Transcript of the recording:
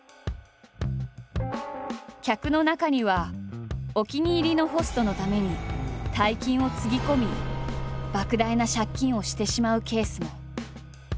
客の中にはお気に入りのホストのために大金をつぎ込みばく大な借金をしてしまうケースも。